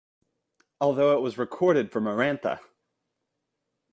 Although it was recorded for Maranatha!